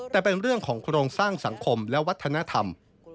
แต่เป็นเรื่องของโครงสร้างสังคมและวัฒนธรรม